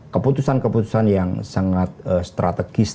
keputusan keputusan yang sangat strategis